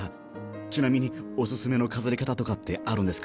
ちなみにおすすめの飾り方とかってあるんですか？